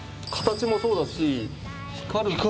形もそうだし光る。